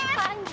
eh apaan sih